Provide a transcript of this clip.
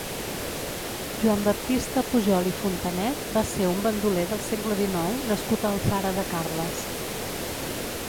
Joan Baptista Pujol i Fontanet va ser un bandoler del segle dinou nascut a Alfara de Carles.